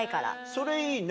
それいいね。